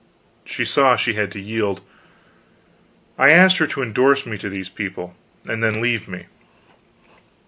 She saw she had to yield. I asked her to indorse me to these people, and then leave me.